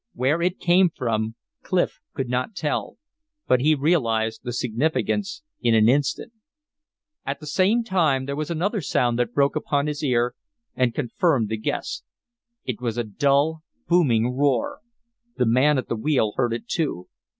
Where it came from Clif could not tell, but he realized the significance in an instant. And at the same time there was another sound that broke upon his ear and confirmed the guess. It was a dull, booming roar. The man at the wheel heard it, too.